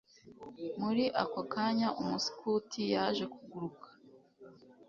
Muri ako kanya umuskuti yaje kuguruka